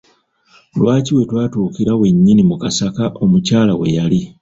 Lwaki we yatuukira wennyini mu kasaka omukyala we yali?